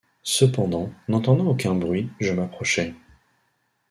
Cependant, n’entendant aucun bruit, je m’approchai.